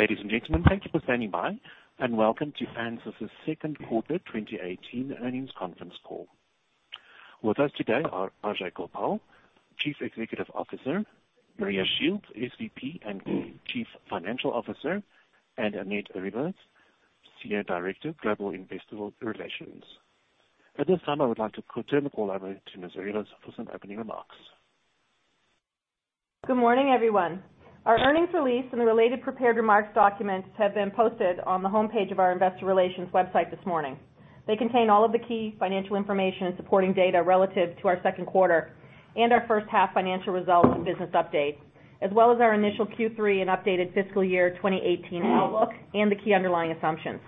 Ladies and gentlemen, thank you for standing by, and welcome to ANSYS' second quarter 2018 earnings conference call. With us today are Ajei Gopal, Chief Executive Officer; Maria Shields, SVP and Chief Financial Officer; and Annette Arribas, Senior Director of Global Investor Relations. At this time, I would like to turn the call over to Ms. Arribas for some opening remarks. Good morning, everyone. Our earnings release and the related prepared remarks documents have been posted on the homepage of our investor relations website this morning. They contain all of the key financial information and supporting data relative to our second quarter and our first-half financial results and business updates, as well as our initial Q3 and updated fiscal year 2018 outlook, and the key underlying assumptions.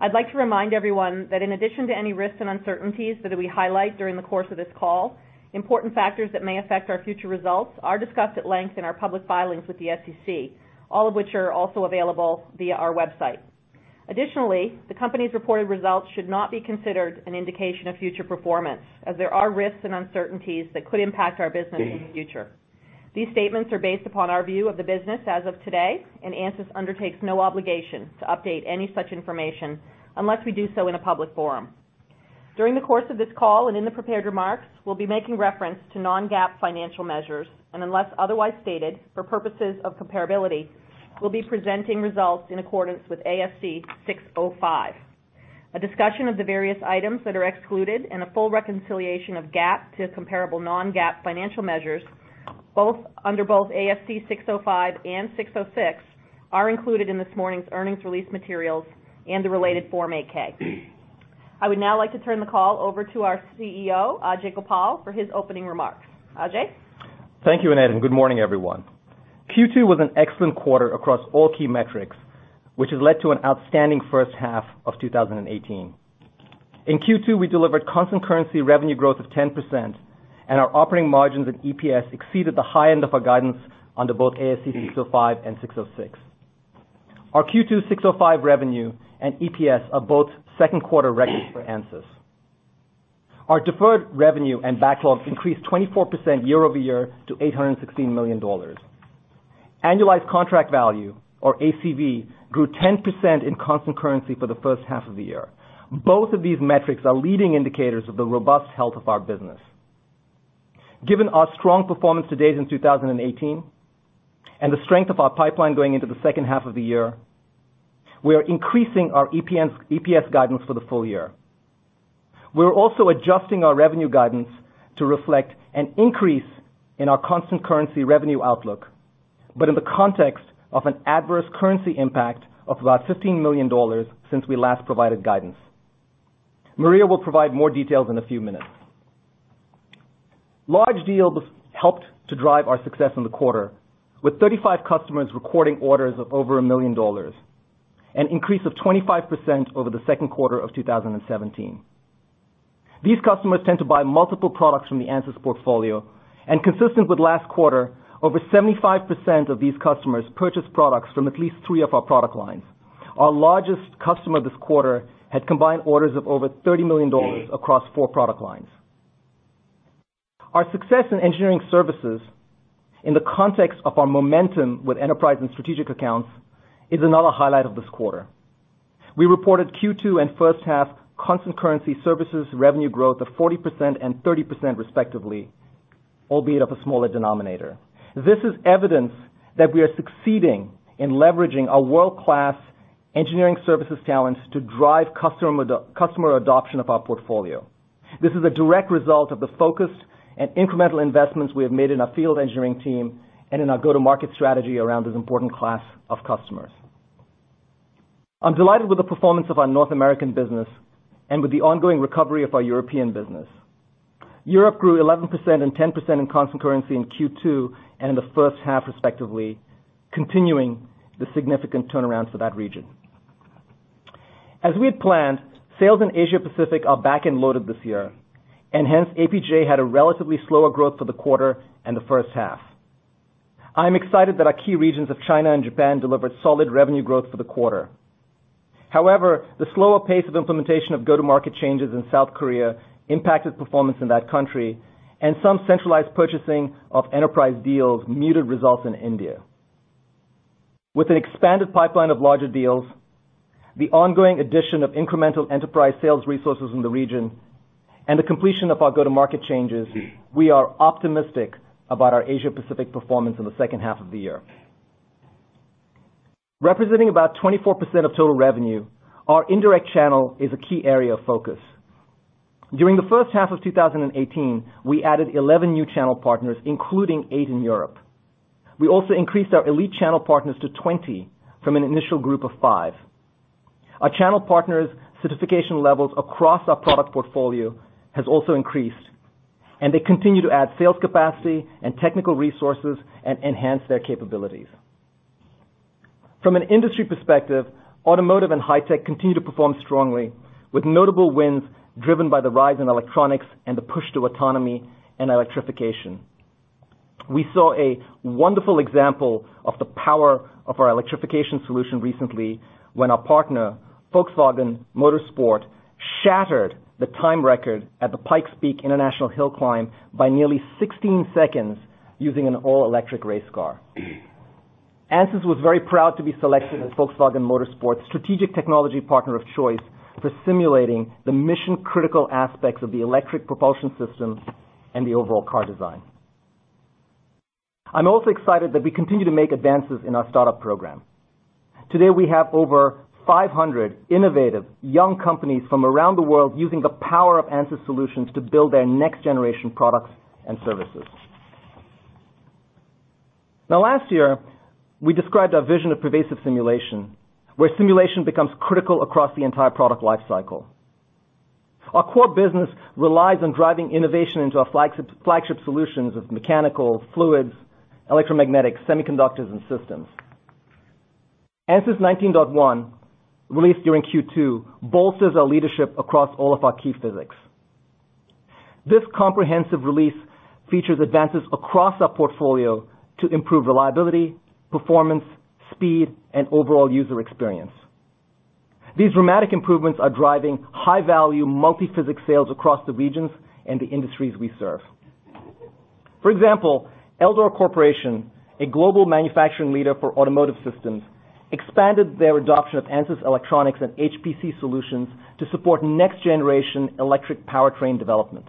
I'd like to remind everyone that in addition to any risks and uncertainties that we highlight during the course of this call, important factors that may affect our future results are discussed at length in our public filings with the SEC, all of which are also available via our website. Additionally, the company's reported results should not be considered an indication of future performance, as there are risks and uncertainties that could impact our business in the future. These statements are based upon our view of the business as of today, and ANSYS undertakes no obligation to update any such information unless we do so in a public forum. During the course of this call, and in the prepared remarks, we'll be making reference to non-GAAP financial measures, and unless otherwise stated, for purposes of comparability, we'll be presenting results in accordance with ASC 605. A discussion of the various items that are excluded and a full reconciliation of GAAP to comparable non-GAAP financial measures, under both ASC 605 and 606, are included in this morning's earnings release materials and the related Form 8-K. I would now like to turn the call over to our CEO, Ajei Gopal, for his opening remarks. Ajei? Thank you, Annette, and good morning, everyone. Q2 was an excellent quarter across all key metrics, which has led to an outstanding first half of 2018. In Q2, we delivered constant currency revenue growth of 10%, and our operating margins and EPS exceeded the high end of our guidance under both ASC 605 and 606. Our Q2 605 revenue and EPS are both second-quarter records for ANSYS. Our deferred revenue and backlog increased 24% year-over-year to $816 million. Annualized contract value, or ACV, grew 10% in constant currency for the first half of the year. Both of these metrics are leading indicators of the robust health of our business. Given our strong performance to date in 2018 and the strength of our pipeline going into the second half of the year, we are increasing our EPS guidance for the full year. We're also adjusting our revenue guidance to reflect an increase in our constant currency revenue outlook, but in the context of an adverse currency impact of about $15 million since we last provided guidance. Maria will provide more details in a few minutes. Large deals helped to drive our success in the quarter, with 35 customers recording orders of over $1 million, an increase of 25% over the second quarter of 2017. These customers tend to buy multiple products from the ANSYS portfolio. Consistent with last quarter, over 75% of these customers purchased products from at least three of our product lines. Our largest customer this quarter had combined orders of over $30 million across four product lines. Our success in engineering services in the context of our momentum with enterprise and strategic accounts is another highlight of this quarter. We reported Q2 and first-half constant currency services revenue growth of 40% and 30%, respectively, albeit of a smaller denominator. This is evidence that we are succeeding in leveraging our world-class engineering services talents to drive customer adoption of our portfolio. This is a direct result of the focus and incremental investments we have made in our field engineering team and in our go-to-market strategy around this important class of customers. I'm delighted with the performance of our North American business and with the ongoing recovery of our European business. Europe grew 11% and 10% in constant currency in Q2 and in the first half, respectively, continuing the significant turnaround for that region. As we had planned, sales in Asia-Pacific are back-end loaded this year, hence APJ had a relatively slower growth for the quarter and the first half. I'm excited that our key regions of China and Japan delivered solid revenue growth for the quarter. However, the slower pace of implementation of go-to-market changes in South Korea impacted performance in that country, some centralized purchasing of enterprise deals muted results in India. With an expanded pipeline of larger deals, the ongoing addition of incremental enterprise sales resources in the region, the completion of our go-to-market changes, we are optimistic about our Asia-Pacific performance in the second half of the year. Representing about 24% of total revenue, our indirect channel is a key area of focus. During the first half of 2018, we added 11 new channel partners, including eight in Europe. We also increased our elite channel partners to 20 from an initial group of five. Our channel partners' certification levels across our product portfolio has also increased, they continue to add sales capacity and technical resources and enhance their capabilities. From an industry perspective, automotive and high tech continue to perform strongly, with notable wins driven by the rise in electronics and the push to autonomy and electrification. We saw a wonderful example of the power of our electrification solution recently when our partner, Volkswagen Motorsport shattered the time record at the Pikes Peak International Hill Climb by nearly 16 seconds using an all-electric race car. ANSYS was very proud to be selected as Volkswagen Motorsport's strategic technology partner of choice for simulating the mission-critical aspects of the electric propulsion system and the overall car design. I'm also excited that we continue to make advances in our startup program. Today, we have over 500 innovative young companies from around the world using the power of ANSYS solutions to build their next-generation products and services. Last year, we described our vision of pervasive simulation, where simulation becomes critical across the entire product lifecycle. Our core business relies on driving innovation into our flagship solutions of mechanical fluids, electromagnetics, semiconductors, and systems. ANSYS 19.1, released during Q2, bolsters our leadership across all of our key physics. This comprehensive release features advances across our portfolio to improve reliability, performance, speed, and overall user experience. These dramatic improvements are driving high-value multiphysics sales across the regions and the industries we serve. For example, Eldor Corporation, a global manufacturing leader for automotive systems, expanded their adoption of ANSYS electronics and HPC solutions to support next-generation electric powertrain development.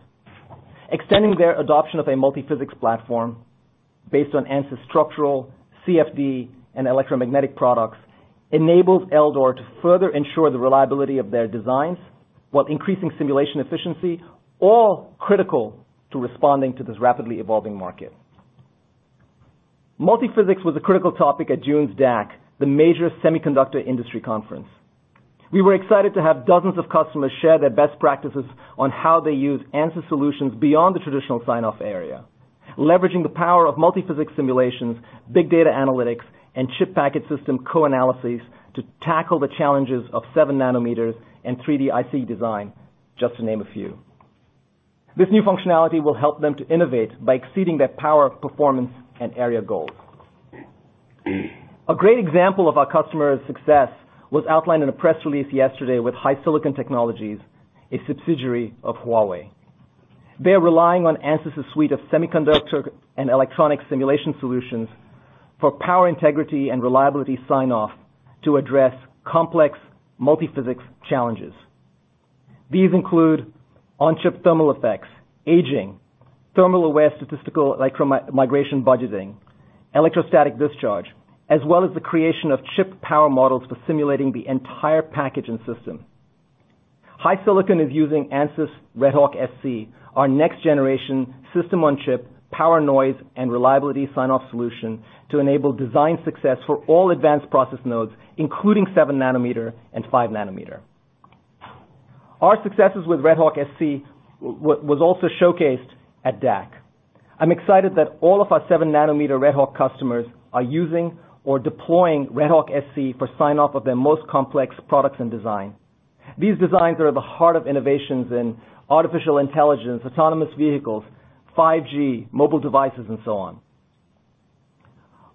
Extending their adoption of a multiphysics platform based on ANSYS structural, CFD, and electromagnetic products enabled Eldor to further ensure the reliability of their designs while increasing simulation efficiency, all critical to responding to this rapidly evolving market. Multiphysics was a critical topic at June's DAC, the major semiconductor industry conference. We were excited to have dozens of customers share their best practices on how they use ANSYS solutions beyond the traditional sign-off area, leveraging the power of multiphysics simulations, big data analytics, and chip-package-system co-analysis to tackle the challenges of seven nanometers and 3D IC design, just to name a few. This new functionality will help them to innovate by exceeding their power, performance, and area goals. A great example of our customers' success was outlined in a press release yesterday with HiSilicon Technologies, a subsidiary of Huawei. They're relying on ANSYS' suite of semiconductor and electronic simulation solutions for power integrity and reliability sign-off to address complex multiphysics challenges. These include on-chip thermal effects, aging, thermal-aware statistical migration budgeting, electrostatic discharge, as well as the creation of chip power models for simulating the entire package and system. HiSilicon is using ANSYS RedHawk-SC, our next-generation system-on-chip power noise, and reliability sign-off solution to enable design success for all advanced process nodes, including seven-nanometer and five-nanometer. Our successes with RedHawk-SC was also showcased at DAC. I'm excited that all of our seven-nanometer RedHawk customers are using or deploying RedHawk-SC for sign-off of their most complex products and design. These designs are at the heart of innovations in artificial intelligence, autonomous vehicles, 5G, mobile devices, and so on.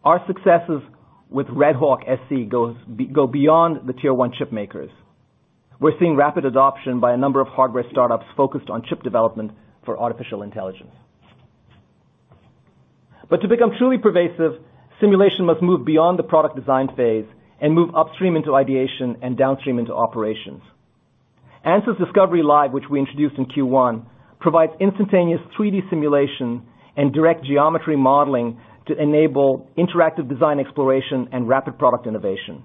Our successes with RedHawk-SC go beyond the tier 1 chip makers. To become truly pervasive, simulation must move beyond the product design phase and move upstream into ideation and downstream into operations. ANSYS Discovery Live, which we introduced in Q1, provides instantaneous 3D simulation and direct geometry modeling to enable interactive design exploration and rapid product innovation.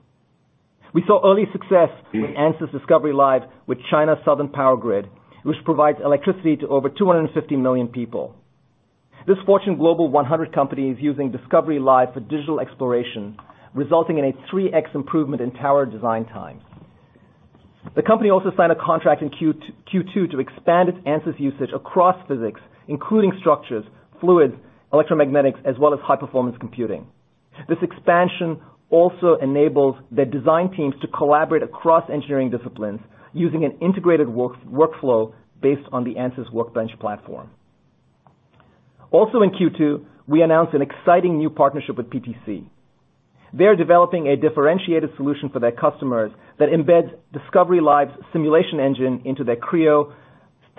We saw early success with ANSYS Discovery Live with China Southern Power Grid, which provides electricity to over 250 million people. This Fortune Global 100 company is using Discovery Live for digital exploration, resulting in a 3x improvement in tower design time. The company also signed a contract in Q2 to expand its ANSYS usage across physics, including structures, fluids, electromagnetics, as well as high-performance computing. This expansion also enables their design teams to collaborate across engineering disciplines using an integrated workflow based on the ANSYS Workbench platform. In Q2, we announced an exciting new partnership with PTC. They're developing a differentiated solution for their customers that embeds Discovery Live's simulation engine into their Creo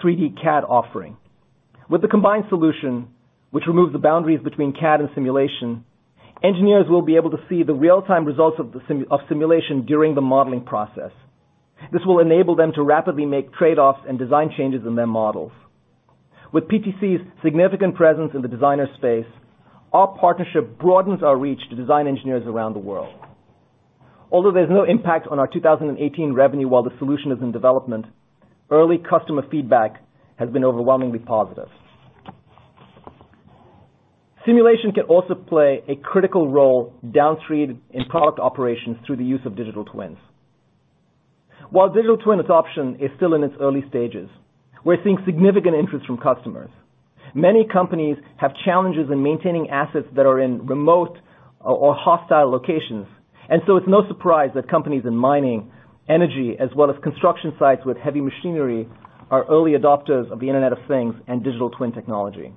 3D CAD offering. With the combined solution, which removes the boundaries between CAD and simulation, engineers will be able to see the real-time results of simulation during the modeling process. This will enable them to rapidly make trade-offs and design changes in their models. With PTC's significant presence in the designer space, our partnership broadens our reach to design engineers around the world. There's no impact on our 2018 revenue while the solution is in development, early customer feedback has been overwhelmingly positive. Simulation can also play a critical role downstream in product operations through the use of digital twins. While digital twin adoption is still in its early stages, we're seeing significant interest from customers. Many companies have challenges in maintaining assets that are in remote or hostile locations, it's no surprise that companies in mining, energy, as well as construction sites with heavy machinery are early adopters of the Internet of Things and digital twin technology.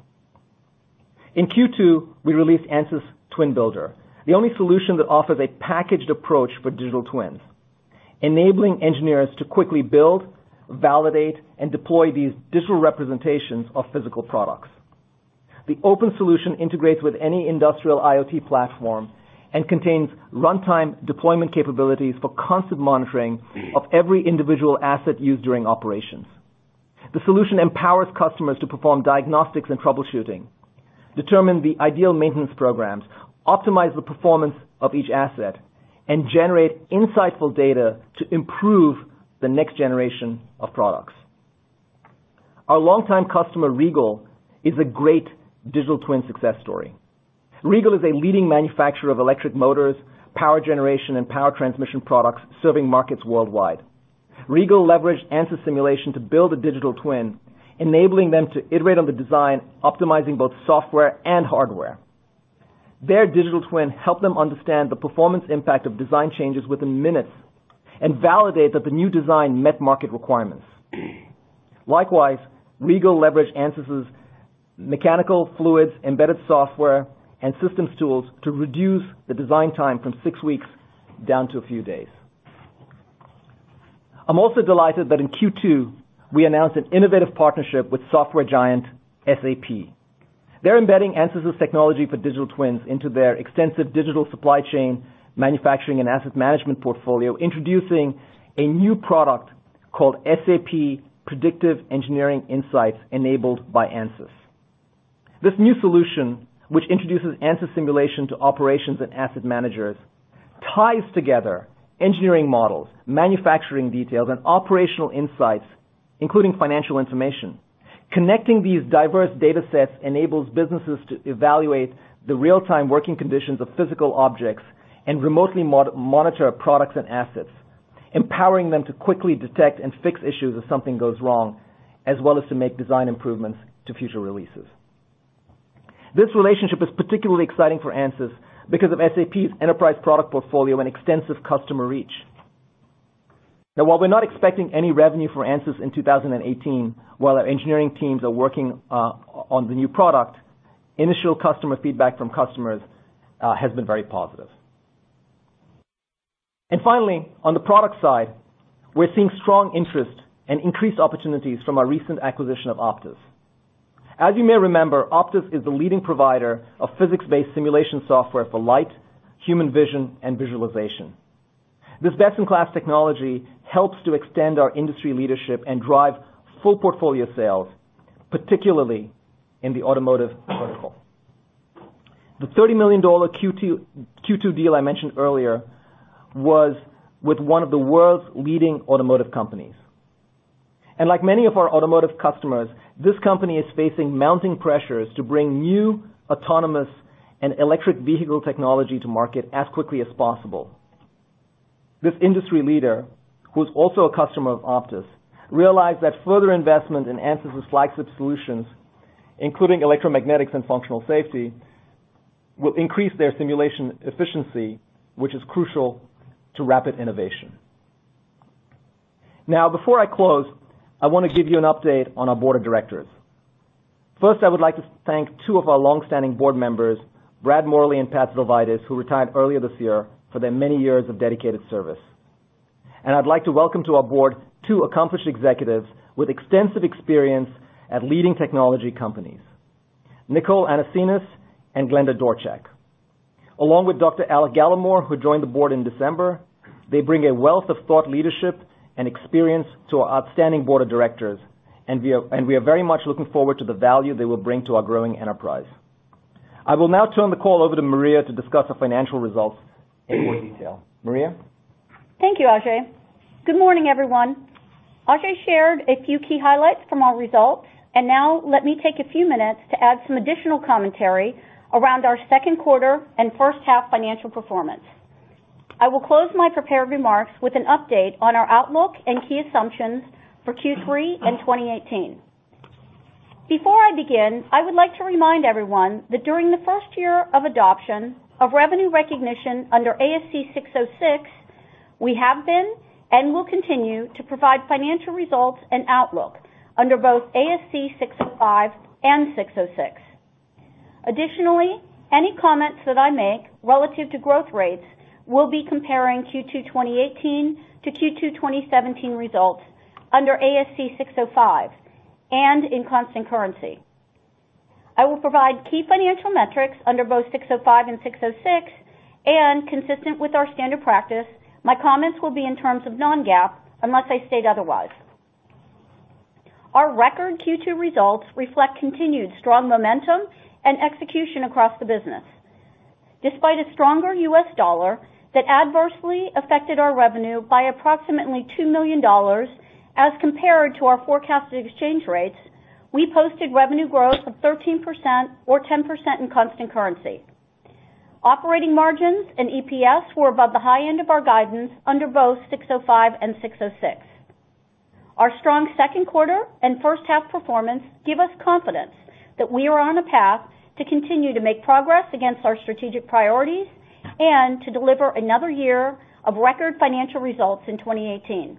In Q2, we released ANSYS Twin Builder, the only solution that offers a packaged approach for digital twins, enabling engineers to quickly build, validate, and deploy these digital representations of physical products. The open solution integrates with any industrial IoT platform and contains runtime deployment capabilities for constant monitoring of every individual asset used during operations. The solution empowers customers to perform diagnostics and troubleshooting, determine the ideal maintenance programs, optimize the performance of each asset, and generate insightful data to improve the next generation of products. Our longtime customer, Regal, is a great digital twin success story. Regal is a leading manufacturer of electric motors, power generation, and power transmission products, serving markets worldwide. Regal leveraged ANSYS simulation to build a digital twin, enabling them to iterate on the design, optimizing both software and hardware. Their digital twin helped them understand the performance impact of design changes within minutes and validate that the new design met market requirements. Likewise, Regal leveraged ANSYS' mechanical fluids, embedded software, and systems tools to reduce the design time from 6 weeks down to a few days. I'm also delighted that in Q2, we announced an innovative partnership with software giant SAP. They're embedding ANSYS' technology for digital twins into their extensive digital supply chain manufacturing and asset management portfolio, introducing a new product called SAP Predictive Engineering Insights, enabled by ANSYS. This new solution, which introduces ANSYS simulation to operations and asset managers, ties together engineering models, manufacturing details, and operational insights, including financial information. Connecting these diverse data sets enables businesses to evaluate the real-time working conditions of physical objects and remotely monitor products and assets, empowering them to quickly detect and fix issues if something goes wrong, as well as to make design improvements to future releases. This relationship is particularly exciting for ANSYS because of SAP's enterprise product portfolio and extensive customer reach. While we're not expecting any revenue for ANSYS in 2018 while our engineering teams are working on the new product, initial customer feedback from customers has been very positive. Finally, on the product side, we're seeing strong interest and increased opportunities from our recent acquisition of OPTIS. As you may remember, OPTIS is the leading provider of physics-based simulation software for light, human vision, and visualization. This best-in-class technology helps to extend our industry leadership and drive full portfolio sales, particularly in the automotive vertical. The $30 million Q2 deal I mentioned earlier was with one of the world's leading automotive companies. Like many of our automotive customers, this company is facing mounting pressures to bring new autonomous and electric vehicle technology to market as quickly as possible. This industry leader, who is also a customer of OPTIS, realized that further investment in ANSYS flagship solutions, including electromagnetics and functional safety, will increase their simulation efficiency, which is crucial to rapid innovation. Now, before I close, I want to give you an update on our board of directors. First, I would like to thank two of our longstanding board members, Brad Morley and Patrick Zilvitis, who retired earlier this year, for their many years of dedicated service. I'd like to welcome to our board two accomplished executives with extensive experience at leading technology companies, Nicole Anasenes and Glenda Dorchak. Along with Dr. Alec Gallimore, who joined the board in December, they bring a wealth of thought leadership and experience to our outstanding board of directors, and we are very much looking forward to the value they will bring to our growing enterprise. I will now turn the call over to Maria to discuss the financial results in more detail. Maria? Thank you, Ajei. Good morning, everyone. Ajei shared a few key highlights from our results, and now let me take a few minutes to add some additional commentary around our second quarter and first half financial performance. I will close my prepared remarks with an update on our outlook and key assumptions for Q3 and 2018. Before I begin, I would like to remind everyone that during the first year of adoption of revenue recognition under ASC 606, we have been and will continue to provide financial results and outlook under both ASC 605 and 606. Additionally, any comments that I make relative to growth rates will be comparing Q2 2018 to Q2 2017 results under ASC 605 and in constant currency. I will provide key financial metrics under both 605 and 606, and consistent with our standard practice, my comments will be in terms of non-GAAP unless I state otherwise. Our record Q2 results reflect continued strong momentum and execution across the business. Despite a stronger U.S. dollar that adversely affected our revenue by approximately $2 million as compared to our forecasted exchange rates, we posted revenue growth of 13% or 10% in constant currency. Operating margins and EPS were above the high end of our guidance under both 605 and 606. Our strong second quarter and first half performance give us confidence that we are on a path to continue to make progress against our strategic priorities and to deliver another year of record financial results in 2018.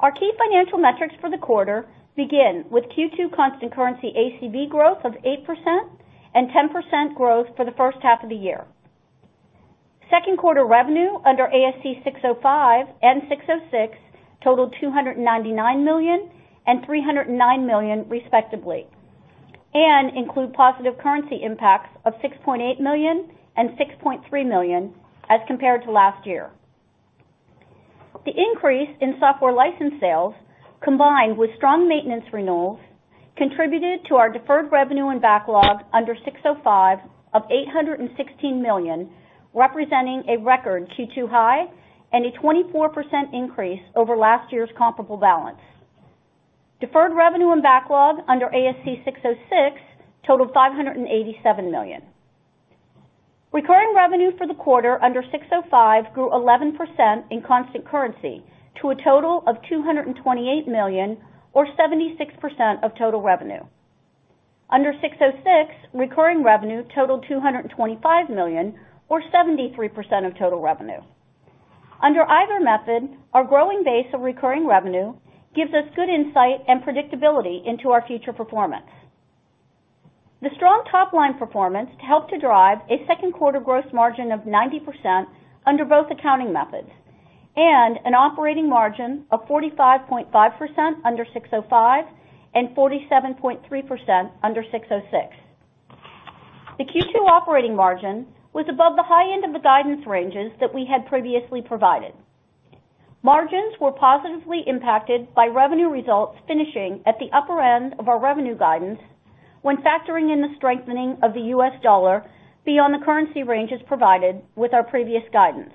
Our key financial metrics for the quarter begin with Q2 constant currency ACV growth of 8% and 10% growth for the first half of the year. Second quarter revenue under ASC 605 and 606 totaled $299 million and $309 million respectively, and include positive currency impacts of $6.8 million and $6.3 million as compared to last year. The increase in software license sales, combined with strong maintenance renewals, contributed to our deferred revenue and backlog under 605 of $816 million, representing a record Q2 high and a 24% increase over last year's comparable balance. Deferred revenue and backlog under ASC 606 totaled $587 million. Recurring revenue for the quarter under 605 grew 11% in constant currency to a total of $228 million, or 76% of total revenue. Under 606, recurring revenue totaled $225 million, or 73% of total revenue. Under either method, our growing base of recurring revenue gives us good insight and predictability into our future performance. The strong top-line performance helped to drive a second quarter gross margin of 90% under both accounting methods, and an operating margin of 45.5% under 605 and 47.3% under 606. The Q2 operating margin was above the high end of the guidance ranges that we had previously provided. Margins were positively impacted by revenue results finishing at the upper end of our revenue guidance when factoring in the strengthening of the U.S. dollar beyond the currency ranges provided with our previous guidance,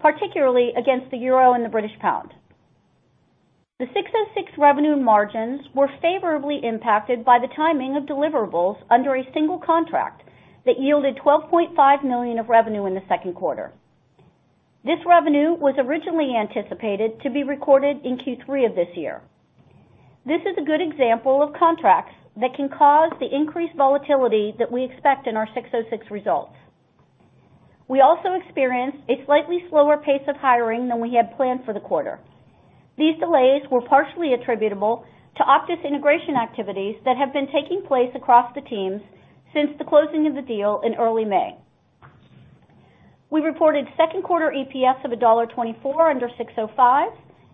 particularly against the euro and the British pound. The 606 revenue margins were favorably impacted by the timing of deliverables under a single contract that yielded $12.5 million of revenue in the second quarter. This revenue was originally anticipated to be recorded in Q3 of this year. This is a good example of contracts that can cause the increased volatility that we expect in our 606 results. We also experienced a slightly slower pace of hiring than we had planned for the quarter. These delays were partially attributable to OPTIS integration activities that have been taking place across the teams since the closing of the deal in early May. We reported second quarter EPS of $1.24 under 605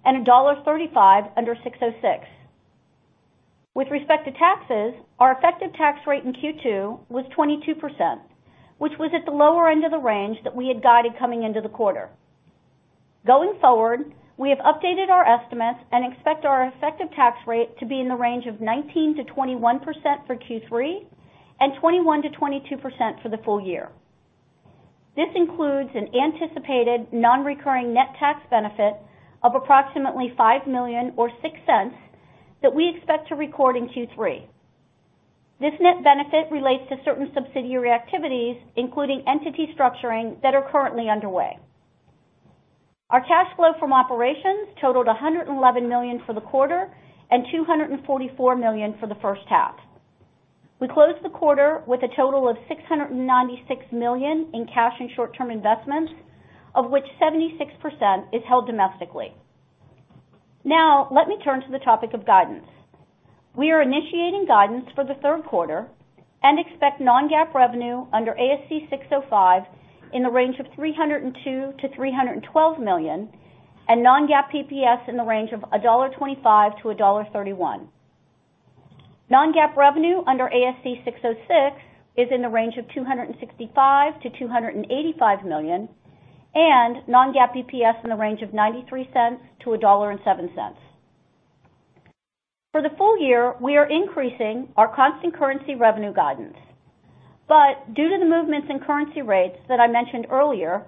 and $1.35 under 606. With respect to taxes, our effective tax rate in Q2 was 22%, which was at the lower end of the range that we had guided coming into the quarter. Going forward, we have updated our estimates and expect our effective tax rate to be in the range of 19%-21% for Q3 and 21%-22% for the full year. This includes an anticipated non-recurring net tax benefit of approximately $5 million or $0.06 that we expect to record in Q3. This net benefit relates to certain subsidiary activities, including entity structuring that are currently underway. Our cash flow from operations totaled $111 million for the quarter and $244 million for the first half. We closed the quarter with a total of $696 million in cash and short-term investments, of which 76% is held domestically. Let me turn to the topic of guidance. We are initiating guidance for the third quarter and expect non-GAAP revenue under ASC 605 in the range of $302 million-$312 million and non-GAAP EPS in the range of $1.25-$1.31. Non-GAAP revenue under ASC 606 is in the range of $265 million-$285 million, and non-GAAP EPS in the range of $0.93-$1.07. For the full year, we are increasing our constant currency revenue guidance. Due to the movements in currency rates that I mentioned earlier,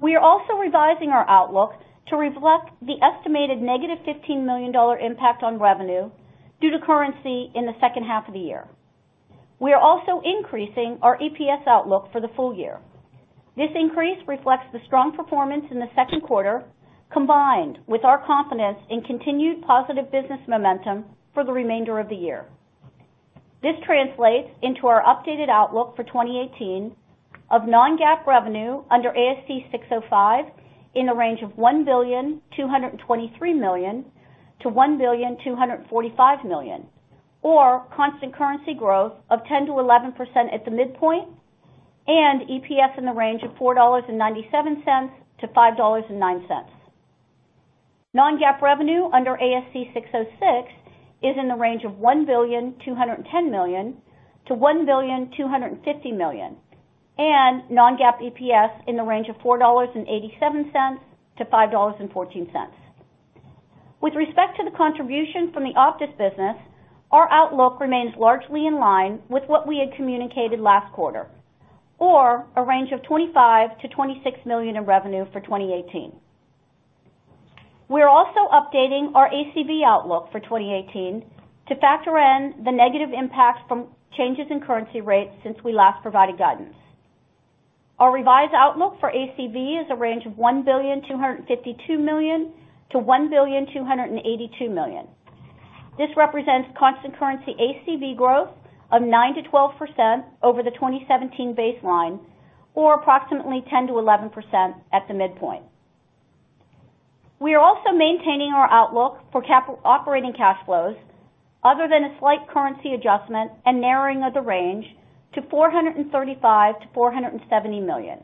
we are also revising our outlook to reflect the estimated negative $15 million impact on revenue due to currency in the second half of the year. We are also increasing our EPS outlook for the full year. This increase reflects the strong performance in the second quarter, combined with our confidence in continued positive business momentum for the remainder of the year. This translates into our updated outlook for 2018 of non-GAAP revenue under ASC 605 in the range of $1.223 billion-$1.245 billion, or constant currency growth of 10%-11% at the midpoint, and EPS in the range of $4.97-$5.09. Non-GAAP revenue under ASC 606 is in the range of $1.210 billion-$1.250 billion, and non-GAAP EPS in the range of $4.87-$5.14. With respect to the contribution from the OPTIS business, our outlook remains largely in line with what we had communicated last quarter, or a range of $25 million-$26 million in revenue for 2018. We are also updating our ACV outlook for 2018 to factor in the negative impacts from changes in currency rates since we last provided guidance. Our revised outlook for ACV is a range of $1.252 billion-$1.282 billion. This represents constant currency ACV growth of 9%-12% over the 2017 baseline, or approximately 10%-11% at the midpoint. We are also maintaining our outlook for operating cash flows, other than a slight currency adjustment and narrowing of the range to $435 million-$470 million.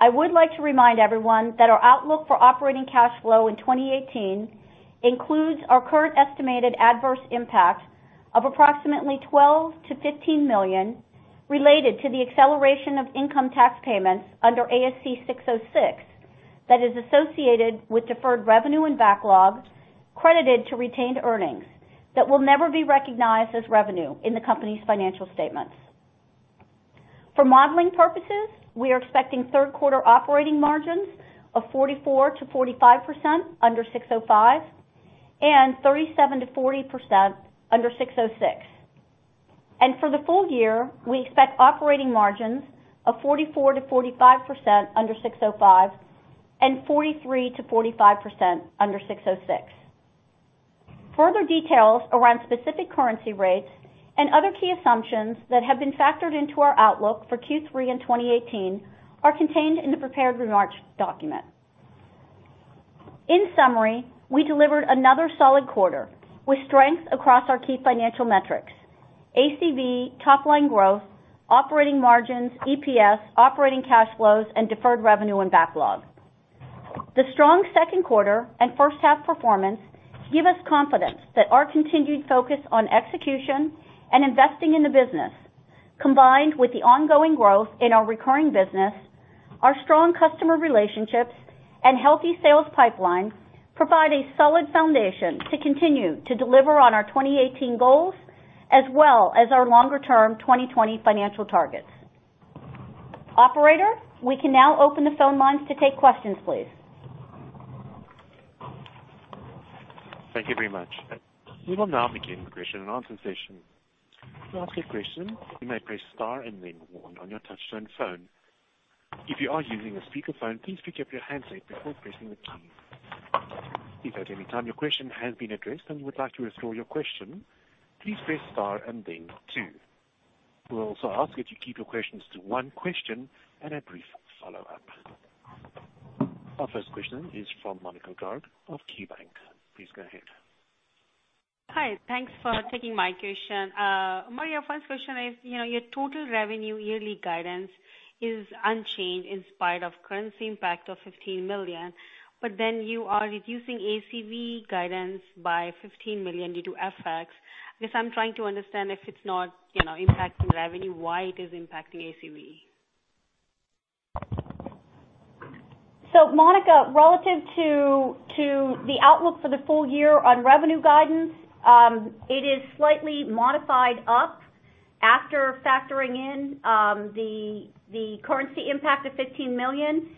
I would like to remind everyone that our outlook for operating cash flow in 2018 includes our current estimated adverse impact of approximately $12 million-$15 million related to the acceleration of income tax payments under ASC 606 that is associated with deferred revenue and backlog credited to retained earnings that will never be recognized as revenue in the company's financial statements. For modeling purposes, we are expecting third quarter operating margins of 44%-45% under 605, and 37%-40% under 606. For the full year, we expect operating margins of 44%-45% under 605, and 43%-45% under 606. Further details around specific currency rates and other key assumptions that have been factored into our outlook for Q3 in 2018 are contained in the prepared remarks document. In summary, we delivered another solid quarter with strength across our key financial metrics: ACV, top-line growth, operating margins, EPS, operating cash flows, and deferred revenue and backlog. The strong second quarter and first half performance give us confidence that our continued focus on execution and investing in the business, combined with the ongoing growth in our recurring business, our strong customer relationships, and healthy sales pipeline, provide a solid foundation to continue to deliver on our 2018 goals as well as our longer term 2020 financial targets. Operator, we can now open the phone lines to take questions, please. Thank you very much. We will now begin the question and answer session. To ask a question, you may press star and then one on your touchtone phone. If you are using a speakerphone, please pick up your handset before pressing the key. If at any time your question has been addressed and you would like to restore your question, please press star and then two. We'll also ask that you keep your questions to one question and a brief follow-up. Our first question is from Monika Garg of KeyBanc. Please go ahead. Hi. Thanks for taking my question. Maria, first question is, your total revenue yearly guidance is unchanged in spite of currency impact of $15 million. You are reducing ACV guidance by $15 million due to FX. Guess I'm trying to understand if it's not impacting revenue, why it is impacting ACV. Monika, relative to the outlook for the full year on revenue guidance, it is slightly modified up after factoring in the currency impact of $15 million.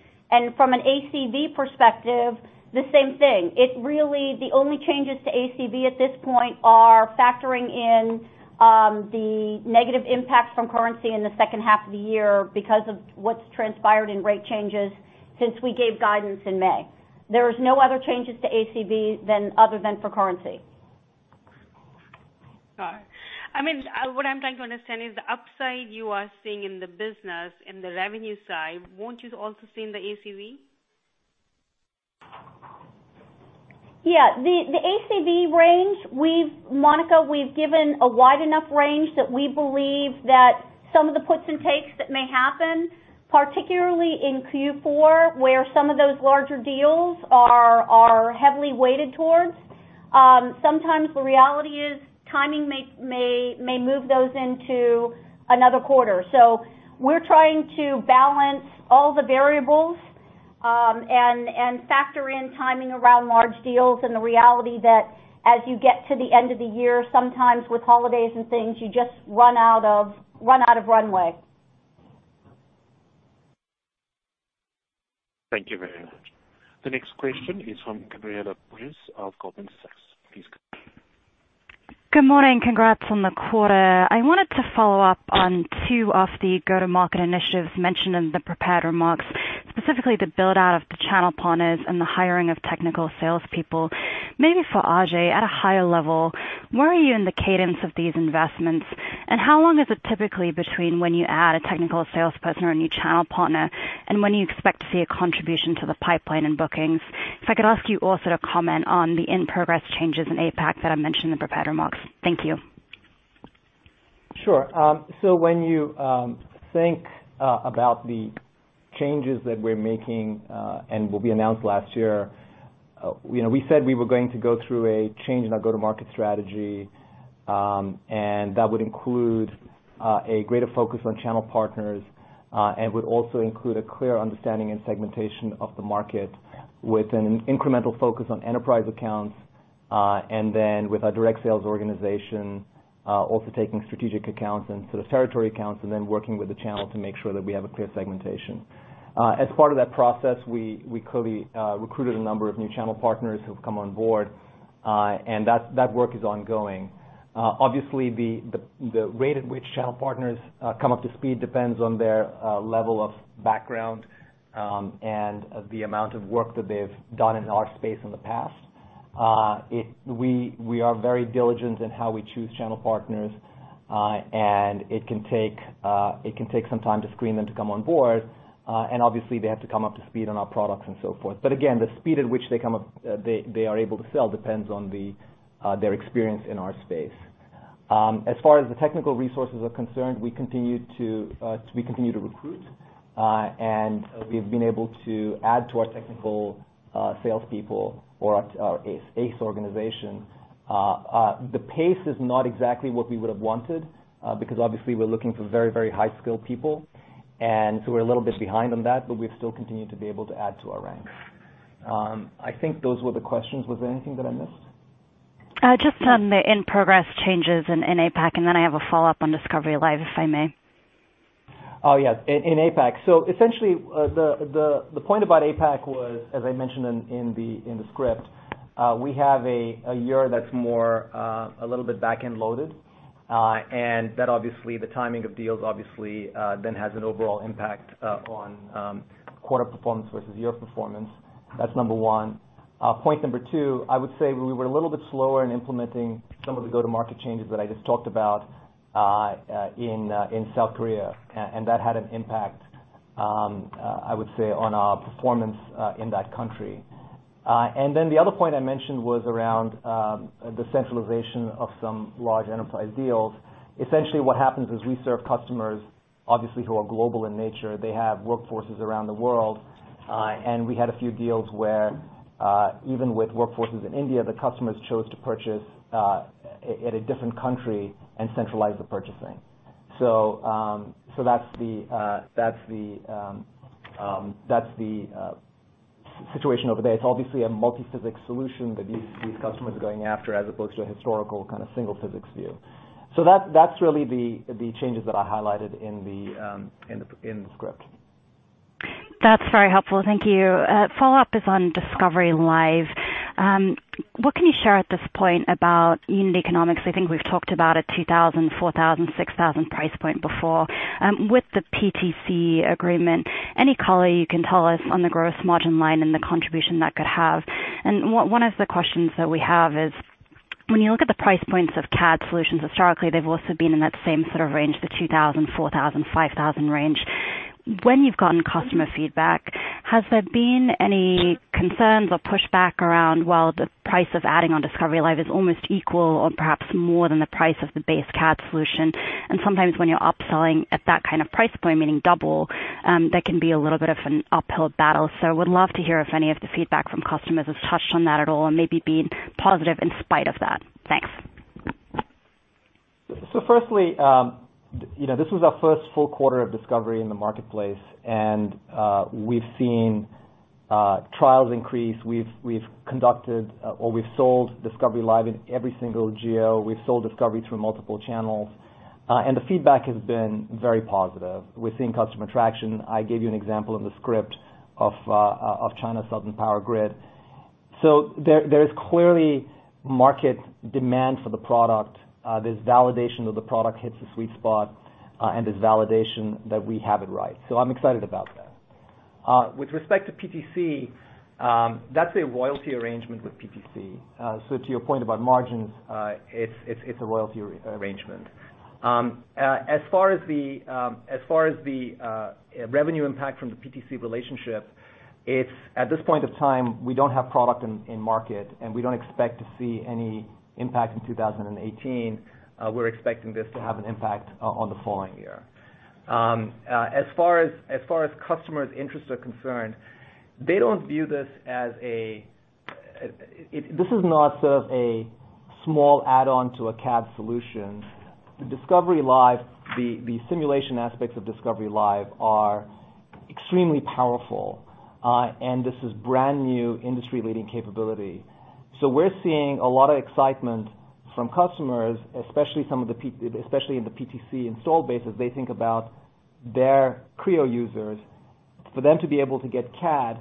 From an ACV perspective, the same thing. The only changes to ACV at this point are factoring in the negative impacts from currency in the second half of the year because of what's transpired in rate changes since we gave guidance in May. There is no other changes to ACV other than for currency. All right. What I'm trying to understand is the upside you are seeing in the business in the revenue side, won't you also see in the ACV? Yeah. The ACV range, Monika, we've given a wide enough range that we believe that some of the puts and takes that may happen, particularly in Q4, where some of those larger deals are heavily weighted towards. Sometimes the reality is timing may move those into another quarter. We're trying to balance all the variables, and factor in timing around large deals and the reality that as you get to the end of the year, sometimes with holidays and things, you just run out of runway. Thank you very much. The next question is from Gabriela Borges of Goldman Sachs. Please go ahead. Good morning. Congrats on the quarter. I wanted to follow up on two of the go-to-market initiatives mentioned in the prepared remarks, specifically the build-out of the channel partners and the hiring of technical salespeople. Maybe for Ajei, at a higher level, where are you in the cadence of these investments? How long is it typically between when you add a technical salesperson or a new channel partner, and when you expect to see a contribution to the pipeline in bookings? If I could ask you also to comment on the in-progress changes in APAC that are mentioned in the prepared remarks. Thank you. Sure. When you think about the changes that we're making, and what we announced last year, we said we were going to go through a change in our go-to-market strategy, and that would include a greater focus on channel partners, and would also include a clear understanding and segmentation of the market with an incremental focus on enterprise accounts. Then with our direct sales organization, also taking strategic accounts and sort of territory accounts, and then working with the channel to make sure that we have a clear segmentation. As part of that process, we recruited a number of new channel partners who've come on board, and that work is ongoing. Obviously, the rate at which channel partners come up to speed depends on their level of background, and the amount of work that they've done in our space in the past. We are very diligent in how we choose channel partners. It can take some time to screen them to come on board. Obviously they have to come up to speed on our products and so forth. Again, the speed at which they are able to sell depends on their experience in our space. As far as the technical resources are concerned, we continue to recruit. We've been able to add to our technical salespeople or our ACE organization. The pace is not exactly what we would have wanted, because obviously we're looking for very high-skilled people. We're a little bit behind on that, but we've still continued to be able to add to our ranks. I think those were the questions. Was there anything that I missed? Just on the in-progress changes in APAC. I have a follow-up on Discovery Live, if I may. Oh, yes. In APAC. Essentially, the point about APAC was, as I mentioned in the script, we have a year that's a little bit back-end loaded. That obviously the timing of deals obviously then has an overall impact on quarter performance versus year performance. That's number 1. Point number 2, I would say we were a little bit slower in implementing some of the go-to-market changes that I just talked about in South Korea. That had an impact, I would say, on our performance in that country. The other point I mentioned was around the centralization of some large enterprise deals. Essentially what happens is we serve customers, obviously, who are global in nature. They have workforces around the world. We had a few deals where even with workforces in India, the customers chose to purchase at a different country and centralize the purchasing. That's the situation over there. It's obviously a multiphysics solution that these customers are going after as opposed to a historical kind of single physics view. That's really the changes that I highlighted in the script. That's very helpful. Thank you. Follow-up is on Discovery Live. What can you share at this point about unit economics? I think we've talked about a 2,000, 4,000, 6,000 price point before. With the PTC agreement, any color you can tell us on the gross margin line and the contribution that could have? One of the questions that we have is, when you look at the price points of CAD solutions, historically, they've also been in that same sort of range, the 2,000, 4,000, 5,000 range. When you've gotten customer feedback, has there been any concerns or pushback around, well, the price of adding on Discovery Live is almost equal or perhaps more than the price of the base CAD solution? Sometimes when you're upselling at that kind of price point, meaning double, that can be a little bit of an uphill battle. Would love to hear if any of the feedback from customers has touched on that at all and maybe been positive in spite of that. Thanks. Firstly, this was our first full quarter of Discovery in the marketplace, and we've seen trials increase. We've conducted or we've sold Discovery Live in every single geo. We've sold Discovery through multiple channels. The feedback has been very positive. We're seeing customer traction. I gave you an example in the script of China Southern Power Grid. There is clearly market demand for the product. There's validation that the product hits the sweet spot, and there's validation that we have it right. I'm excited about that. With respect to PTC, that's a royalty arrangement with PTC. To your point about margins, it's a royalty arrangement. As far as the revenue impact from the PTC relationship, at this point of time, we don't have product in market, and we don't expect to see any impact in 2018. We're expecting this to have an impact on the following year. As far as customers' interests are concerned, this is not a small add-on to a CAD solution. The simulation aspects of Discovery Live are extremely powerful. This is brand-new industry-leading capability. We're seeing a lot of excitement from customers, especially in the PTC installed base, as they think about their Creo users. For them to be able to get CAD,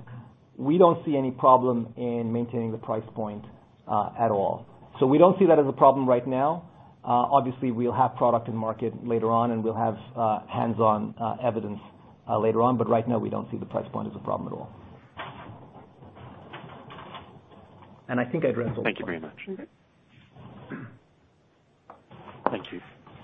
we don't see any problem in maintaining the price point at all. We don't see that as a problem right now. Obviously, we'll have product in market later on, and we'll have hands-on evidence later on, but right now we don't see the price point as a problem at all. I think I addressed. Thank you very much. Okay. Thank you.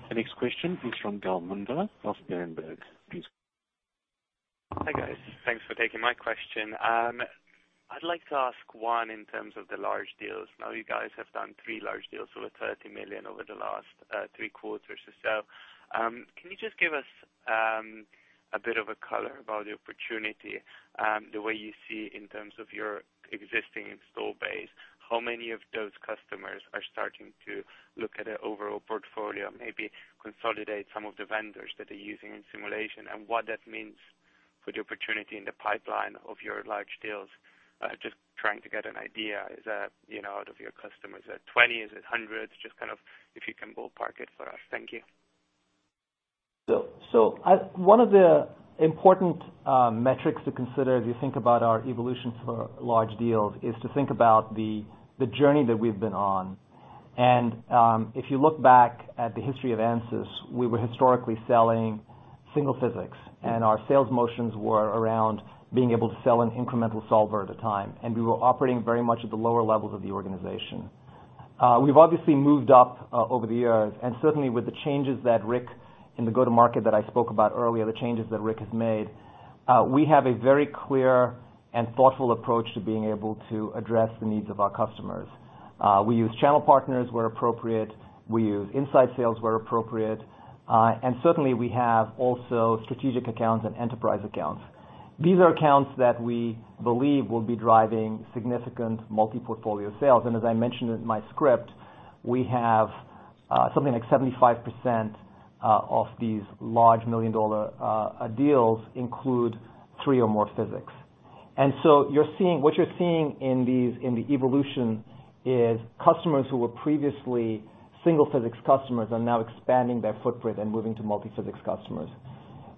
The next question is from Gal Munda of Berenberg. Please go on. Hi, guys. Thanks for taking my question. I'd like to ask one in terms of the large deals. You guys have done three large deals over $30 million over the last three quarters or so. Can you just give us a bit of a color about the opportunity, the way you see in terms of your existing install base? How many of those customers are starting to look at an overall portfolio, maybe consolidate some of the vendors that they're using in simulation, and what that means for the opportunity in the pipeline of your large deals? Just trying to get an idea. Out of your customers, is it 20? Is it 100? Just if you can ballpark it for us. Thank you. One of the important metrics to consider as you think about our evolution for large deals is to think about the journey that we've been on. If you look back at the history of ANSYS, we were historically selling single physics, and our sales motions were around being able to sell an incremental solver at a time, and we were operating very much at the lower levels of the organization. We've obviously moved up over the years, and certainly with the changes that Rick, in the go-to-market that I spoke about earlier, the changes that Rick has made, we have a very clear and thoughtful approach to being able to address the needs of our customers. We use channel partners where appropriate, we use inside sales where appropriate, and certainly, we have also strategic accounts and enterprise accounts. These are accounts that we believe will be driving significant multi-portfolio sales. As I mentioned in my script, we have something like 75% of these large million-dollar deals include three or more physics. What you're seeing in the evolution is customers who were previously single-physics customers are now expanding their footprint and moving to multi-physics customers.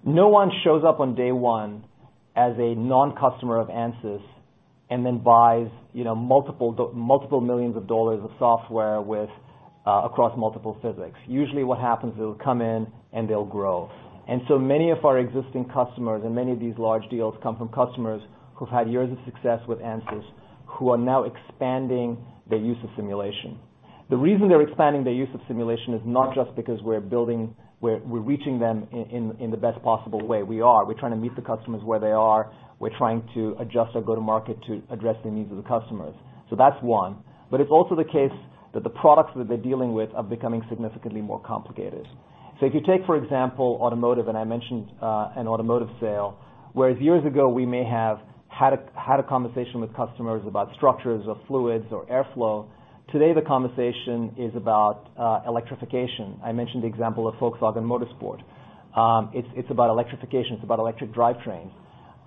No one shows up on day one as a non-customer of ANSYS and then buys multiple millions of dollars of software across multiple physics. Usually what happens is they'll come in, and they'll grow. Many of our existing customers and many of these large deals come from customers who've had years of success with ANSYS, who are now expanding their use of simulation. The reason they're expanding their use of simulation is not just because we're reaching them in the best possible way. We are. We're trying to meet the customers where they are. We're trying to adjust our go-to-market to address the needs of the customers. That's one. It's also the case that the products that they're dealing with are becoming significantly more complicated. If you take, for example, automotive, and I mentioned an automotive sale, whereas years ago, we may have had a conversation with customers about structures or fluids or airflow. Today, the conversation is about electrification. I mentioned the example of Volkswagen Motorsport. It's about electrification. It's about electric drivetrain.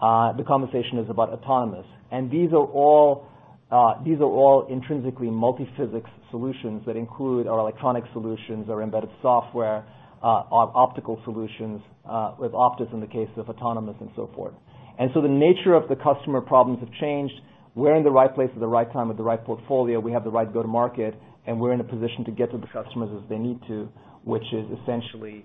The conversation is about autonomous. These are all intrinsically multi-physics solutions that include our electronic solutions, our embedded software, our optical solutions, with OPTIS in the case of autonomous and so forth. The nature of the customer problems have changed. We're in the right place at the right time with the right portfolio. We have the right go-to-market. We're in a position to get to the customers as they need to, which is essentially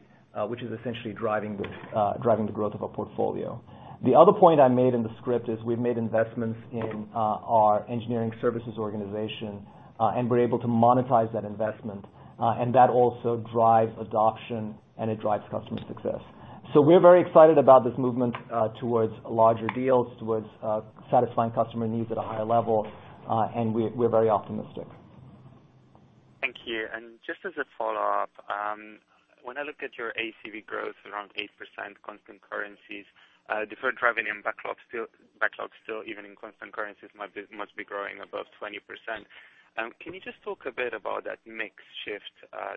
driving the growth of our portfolio. The other point I made in the script is we've made investments in our engineering services organization. We're able to monetize that investment. That also drives adoption. It drives customer success. We're very excited about this movement towards larger deals, towards satisfying customer needs at a higher level. We're very optimistic. Thank you. Just as a follow-up, when I look at your ACV growth around 8% constant currencies, deferred revenue and backlog still, even in constant currencies, must be growing above 20%. Can you just talk a bit about that mix shift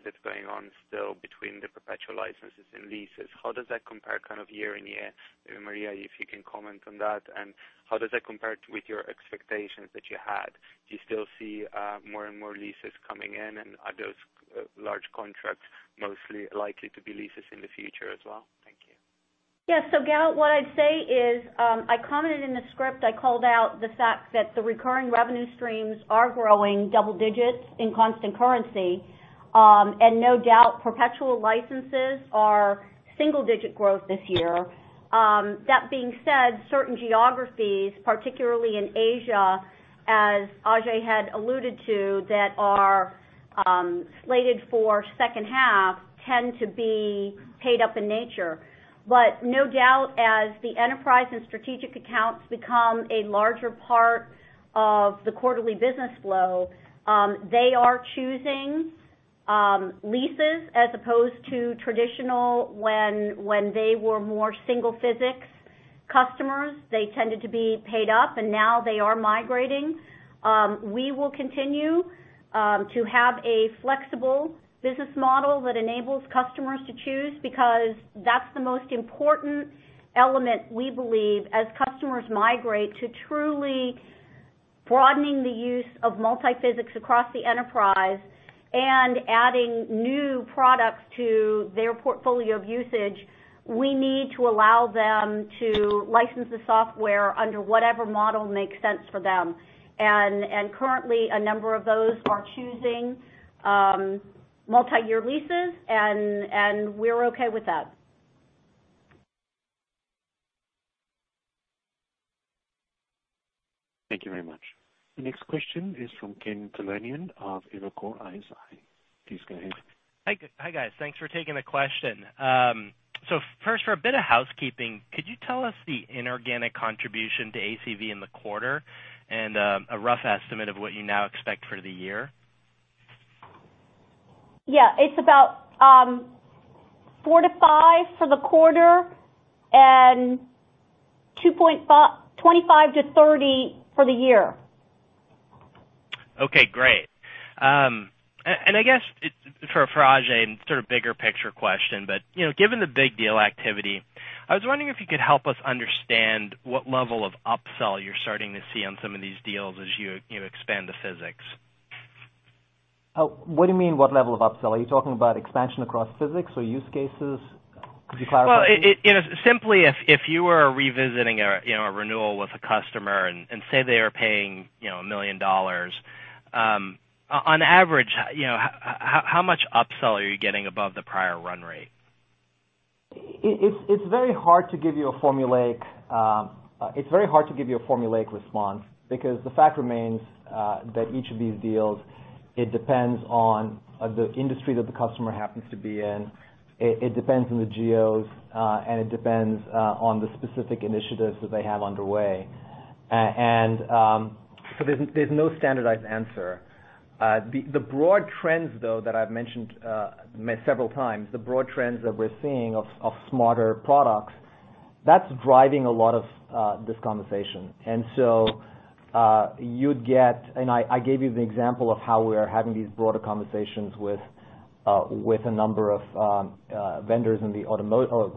that's going on still between the perpetual licenses and leases? How does that compare year-on-year? Maria, if you can comment on that, how does that compare with your expectations that you had? Do you still see more and more leases coming in, are those large contracts mostly likely to be leases in the future as well? Thank you. Gal, what I'd say is, I commented in the script, I called out the fact that the recurring revenue streams are growing double-digits in constant currency. No doubt, perpetual licenses are single-digit growth this year. That being said, certain geographies, particularly in Asia, as Ajei had alluded to, that are slated for second half, tend to be paid up in nature. No doubt, as the enterprise and strategic accounts become a larger part of the quarterly business flow, they are choosing leases as opposed to traditional. When they were more single-physics customers, they tended to be paid up, and now they are migrating. We will continue to have a flexible business model that enables customers to choose because that's the most important element we believe as customers migrate to truly broadening the use of multiphysics across the enterprise and adding new products to their portfolio of usage. We need to allow them to license the software under whatever model makes sense for them. Currently, a number of those are choosing multi-year leases, and we're okay with that. Thank you very much. The next question is from Ken Talanian of Evercore ISI. Please go ahead. Hi, guys. Thanks for taking the question. First, for a bit of housekeeping, could you tell us the inorganic contribution to ACV in the quarter and a rough estimate of what you now expect for the year? Yeah. It's about $4-$5 for the quarter and $25-$30 for the year. Okay, great. I guess for Ajei, sort of bigger picture question, given the big deal activity, I was wondering if you could help us understand what level of upsell you're starting to see on some of these deals as you expand the physics. What do you mean what level of upsell? Are you talking about expansion across physics or use cases? Simply, if you were revisiting a renewal with a customer and say they are paying $1 million, on average, how much upsell are you getting above the prior run rate? It's very hard to give you a formulaic response, because the fact remains that each of these deals, it depends on the industry that the customer happens to be in. It depends on the geos, and it depends on the specific initiatives that they have underway. There's no standardized answer. The broad trends, though, that I've mentioned several times, the broad trends that we're seeing of smarter products, that's driving a lot of this conversation. You'd get, and I gave you the example of how we are having these broader conversations with a number of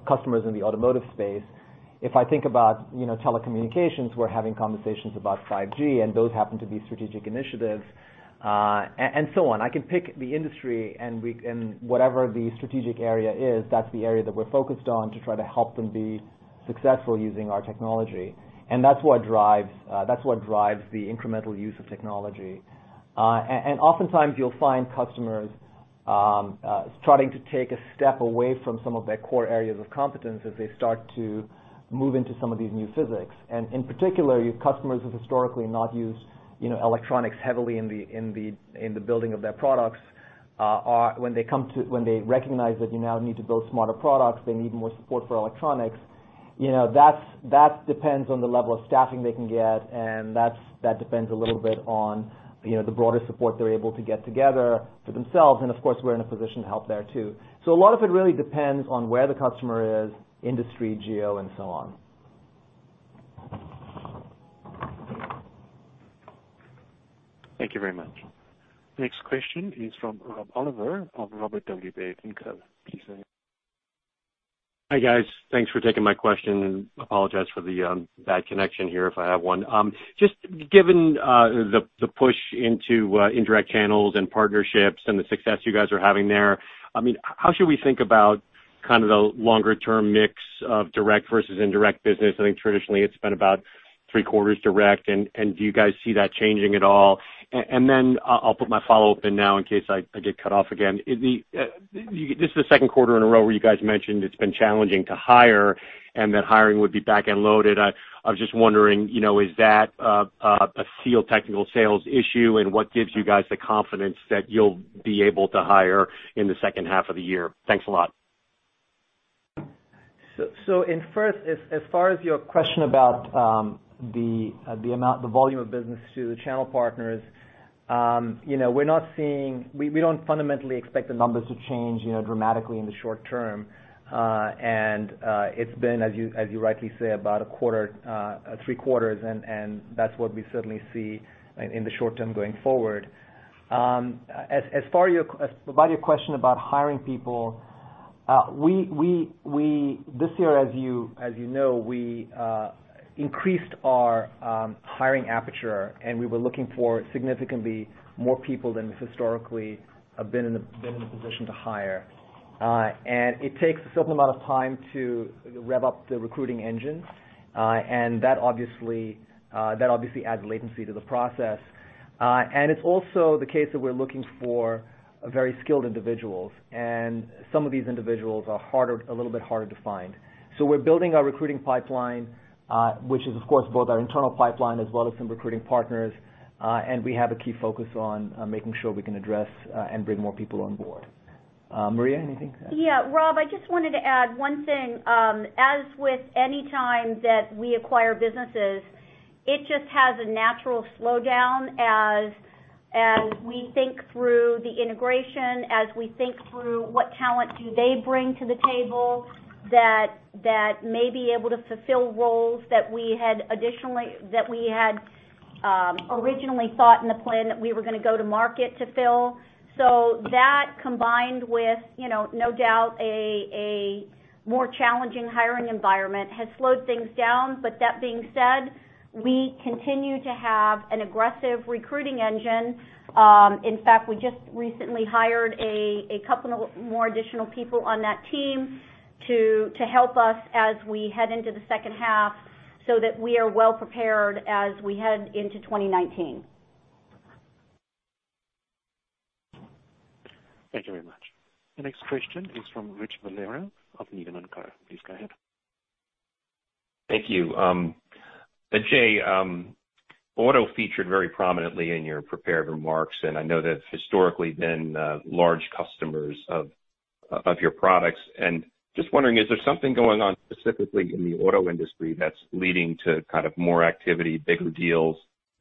customers in the automotive space. If I think about telecommunications, we're having conversations about 5G, and those happen to be strategic initiatives, and so on. I can pick the industry and whatever the strategic area is, that's the area that we're focused on to try to help them be successful using our technology. That's what drives the incremental use of technology. Oftentimes you'll find customers starting to take a step away from some of their core areas of competence as they start to move into some of these new physics. In particular, customers who've historically not used electronics heavily in the building of their products, when they recognize that you now need to build smarter products, they need more support for electronics. That depends on the level of staffing they can get, and that depends a little bit on the broader support they're able to get together for themselves. Of course, we're in a position to help there, too. A lot of it really depends on where the customer is, industry, geo, and so on. Thank you very much. Next question is from Rob Oliver of Robert W. Baird & Co. Please go ahead. Hi, guys. Thanks for taking my question. Apologize for the bad connection here if I have one. Just given the push into indirect channels and partnerships and the success you guys are having there, how should we think about the longer term mix of direct versus indirect business? I think traditionally it's been about three quarters direct. Do you guys see that changing at all? Then I'll put my follow-up in now in case I get cut off again. This is the second quarter in a row where you guys mentioned it's been challenging to hire. That hiring would be back-end loaded. I was just wondering, is that a field technical sales issue? What gives you guys the confidence that you'll be able to hire in the second half of the year? Thanks a lot. In first, as far as your question about the amount, the volume of business to the channel partners, we don't fundamentally expect the numbers to change dramatically in the short term. It's been, as you rightly say, about a quarter, three quarters, and that's what we certainly see in the short term going forward. As far as your question about hiring people, this year, as you know, we increased our hiring aperture, and we were looking for significantly more people than we've historically been in the position to hire. It takes a certain amount of time to rev up the recruiting engine, and that obviously adds latency to the process. It's also the case that we're looking for very skilled individuals, and some of these individuals are a little bit harder to find. We're building our recruiting pipeline, which is, of course, both our internal pipeline as well as some recruiting partners, and we have a key focus on making sure we can address and bring more people on board. Maria, anything to add? Yeah. Rob, I just wanted to add one thing. As with any time that we acquire businesses, it just has a natural slowdown as we think through the integration, as we think through what talent do they bring to the table that may be able to fulfill roles that we had originally thought in the plan that we were going to go to market to fill. That, combined with no doubt a more challenging hiring environment, has slowed things down. That being said, we continue to have an aggressive recruiting engine. In fact, we just recently hired a couple more additional people on that team to help us as we head into the second half so that we are well prepared as we head into 2019. Thank you very much. The next question is from Richard Valera of Needham & Co. Please go ahead. Thank you. Ajei, auto featured very prominently in your prepared remarks, and I know they've historically been large customers of your products. Just wondering, is there something going on specifically in the auto industry that's leading to more activity, bigger deals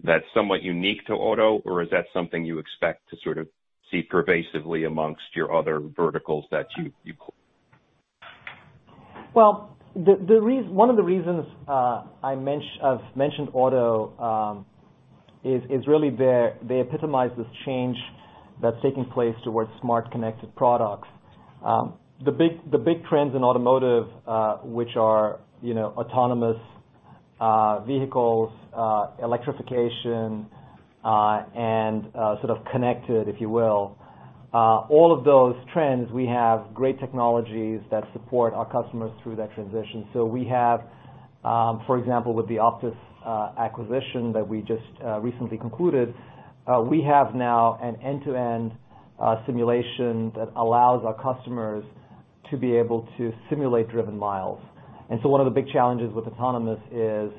that's somewhat unique to auto, or is that something you expect to sort of see pervasively amongst your other verticals that you Well, one of the reasons I've mentioned auto is really they epitomize this change that's taking place towards smart connected products. The big trends in automotive, which are autonomous vehicles, electrification, and sort of connected, if you will. All of those trends, we have great technologies that support our customers through that transition. We have, for example, with the OPTIS acquisition that we just recently concluded, we have now an end-to-end simulation that allows our customers to be able to simulate driven miles. One of the big challenges with autonomous is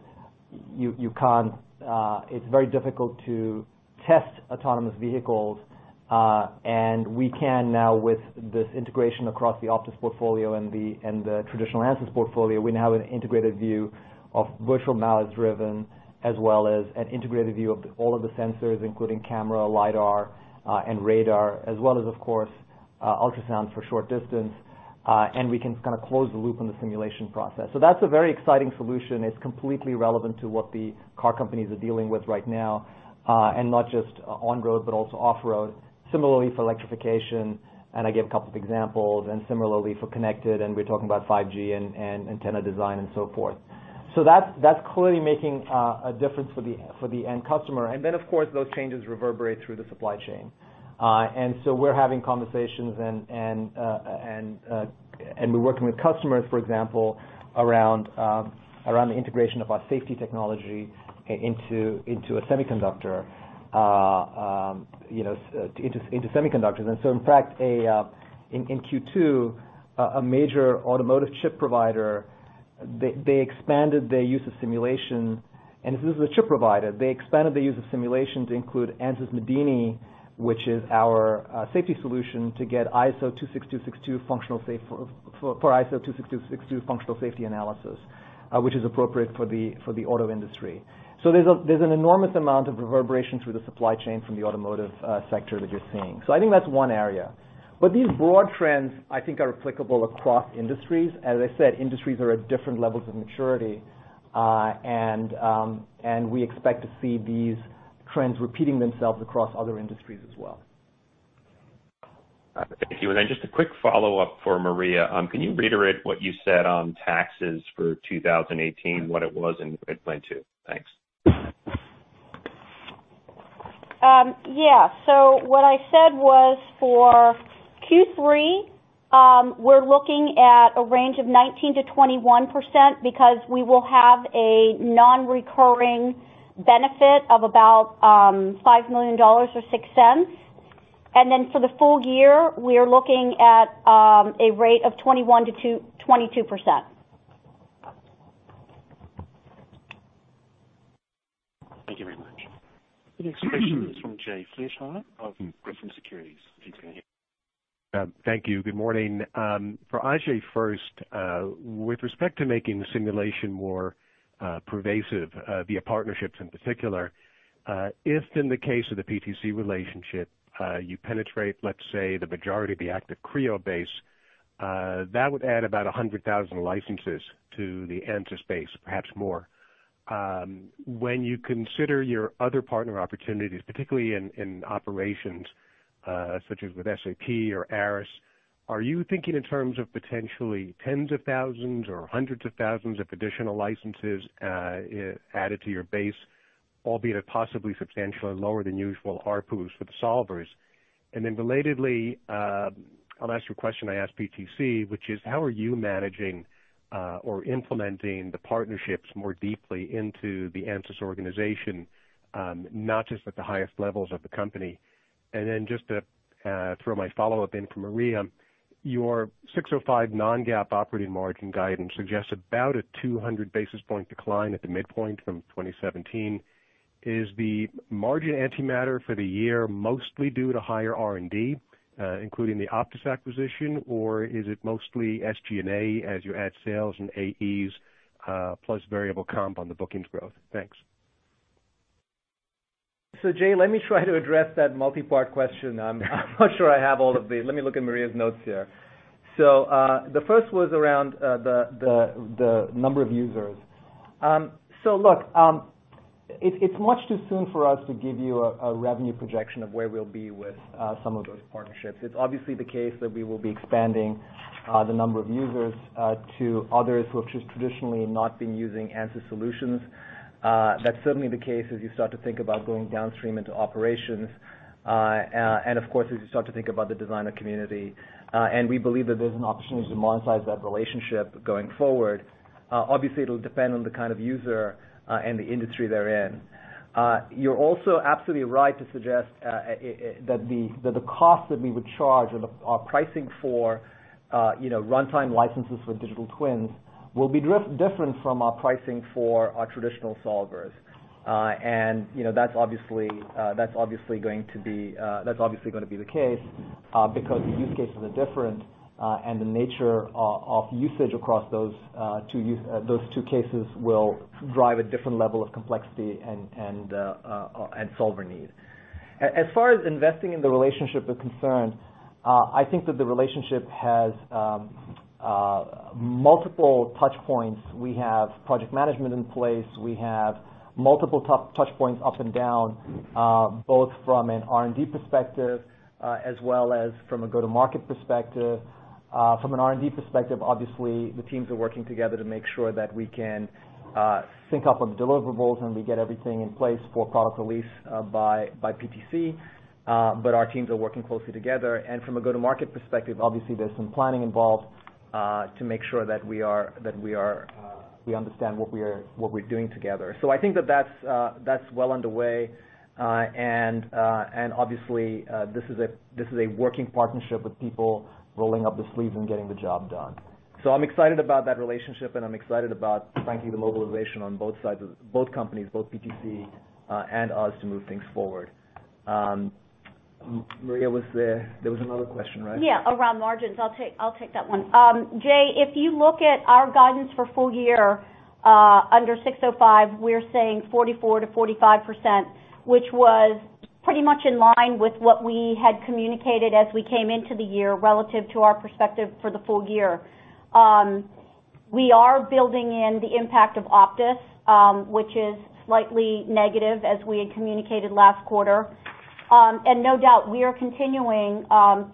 it's very difficult to test autonomous vehicles. We can now, with this integration across the OPTIS portfolio and the traditional ANSYS portfolio, we now have an integrated view of virtual miles driven, as well as an integrated view of all of the sensors, including camera, lidar, and radar, as well as, of course, ultrasound for short distance. We can kind of close the loop on the simulation process. That's a very exciting solution. It's completely relevant to what the car companies are dealing with right now, not just on-road, but also off-road. Similarly for electrification, I gave a couple of examples, similarly for connected, we're talking about 5G and antenna design and so forth. That's clearly making a difference for the end customer. Then, of course, those changes reverberate through the supply chain. We're having conversations and we're working with customers, for example, around the integration of our safety technology into semiconductors. In fact, in Q2, a major automotive chip provider, they expanded their use of simulation. This is a chip provider. They expanded the use of simulation to include ANSYS medini analyze, which is our safety solution to get for ISO 26262 functional safety analysis, which is appropriate for the auto industry. There's an enormous amount of reverberation through the supply chain from the automotive sector that you're seeing. I think that's one area. These broad trends, I think, are applicable across industries. I said, industries are at different levels of maturity. We expect to see these trends repeating themselves across other industries as well. Thank you. Then just a quick follow-up for Maria. Can you reiterate what you said on taxes for 2018, what it was and the midpoint too? Thanks. What I said was for Q3, we're looking at a range of 19%-21% because we will have a non-recurring benefit of about $5 million or $0.06. Then for the full year, we are looking at a rate of 21%-22%. Thank you very much. The next question is from Jay Vleeschhouwer of Griffin Securities. Thank you. Good morning. For Ajei first, with respect to making the simulation more pervasive, via partnerships in particular, if in the case of the PTC relationship, you penetrate, let's say, the majority of the active Creo base, that would add about 100,000 licenses to the ANSYS space, perhaps more. When you consider your other partner opportunities, particularly in operations such as with SAP or Aras, are you thinking in terms of potentially tens of thousands or hundreds of thousands of additional licenses added to your base, albeit at possibly substantially lower than usual ARPUs for the solvers? Then relatedly, I'll ask you a question I asked PTC, which is, how are you managing or implementing the partnerships more deeply into the ANSYS organization, not just at the highest levels of the company? Just to throw my follow-up in for Maria, your 605 non-GAAP operating margin guidance suggests about a 200-basis point decline at the midpoint from 2017. Is the margin antimatter for the year mostly due to higher R&D, including the OPTIS acquisition, or is it mostly SG&A as you add sales and AEs, plus variable comp on the bookings growth? Thanks. Jay, let me try to address that multi-part question. Let me look at Maria's notes here. The first was around the number of users. Look, it's much too soon for us to give you a revenue projection of where we'll be with some of those partnerships. It's obviously the case that we will be expanding the number of users to others who have just traditionally not been using ANSYS solutions. That's certainly the case as you start to think about going downstream into operations, and of course, as you start to think about the designer community. We believe that there's an opportunity to monetize that relationship going forward. Obviously, it'll depend on the kind of user and the industry they're in. You're also absolutely right to suggest that the cost that we would charge or our pricing for runtime licenses for digital twins will be different from our pricing for our traditional solvers. That's obviously going to be the case, because the use cases are different, and the nature of usage across those two cases will drive a different level of complexity and solver need. As far as investing in the relationship is concerned, I think that the relationship has multiple touch points. We have project management in place. We have multiple touch points up and down, both from an R&D perspective, as well as from a go-to-market perspective. From an R&D perspective, obviously, the teams are working together to make sure that we can sync up on deliverables and we get everything in place for product release by PTC. Our teams are working closely together. From a go-to-market perspective, obviously there's some planning involved to make sure that we understand what we're doing together. I think that's well underway. Obviously, this is a working partnership with people rolling up the sleeves and getting the job done. I'm excited about that relationship, and I'm excited about frankly, the mobilization on both sides of both companies, both PTC, and us, to move things forward. Maria, there was another question, right? Around margins. I'll take that one. Jay, if you look at our guidance for full year, under ASC 605, we're saying 44%-45%, which was pretty much in line with what we had communicated as we came into the year relative to our perspective for the full year. No doubt, we are building in the impact of OPTIS, which is slightly negative as we had communicated last quarter. We are continuing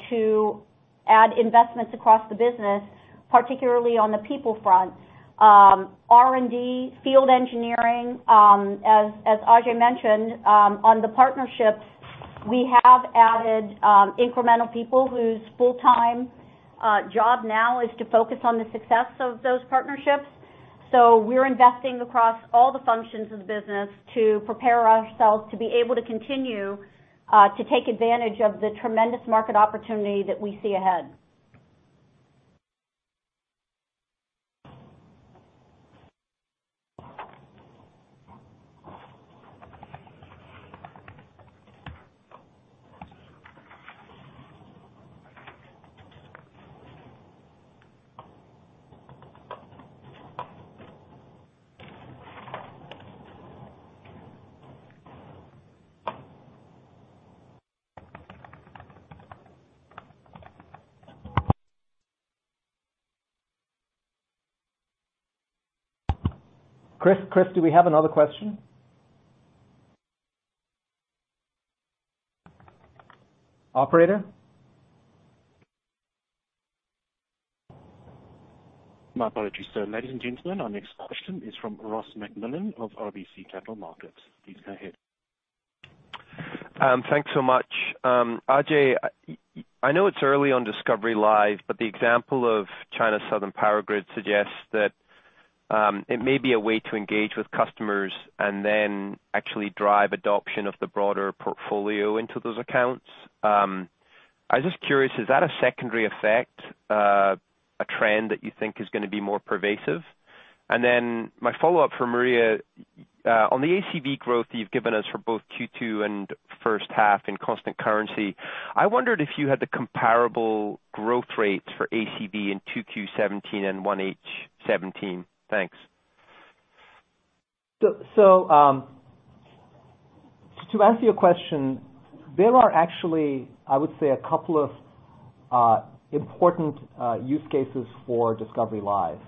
to add investments across the business, particularly on the people front. R&D, field engineering, as Ajei mentioned, on the partnerships, we have added incremental people whose full-time job now is to focus on the success of those partnerships. We're investing across all the functions of the business to prepare ourselves to be able to continue to take advantage of the tremendous market opportunity that we see ahead. Chris, do we have another question? Operator? My apologies, sir. Ladies and gentlemen, our next question is from Ross MacMillan of RBC Capital Markets. Please go ahead. Thanks so much. Ajei, I know it's early on Discovery Live, but the example of China Southern Power Grid suggests that it may be a way to engage with customers and then actually drive adoption of the broader portfolio into those accounts. I was just curious, is that a secondary effect, a trend that you think is going to be more pervasive? Then my follow-up for Maria, on the ACV growth that you've given us for both Q2 and first half in constant currency, I wondered if you had the comparable growth rates for ACV in 2Q 2017 and 1H 2017. Thanks. To answer your question, there are actually, I would say, a couple of important use cases for Discovery Live.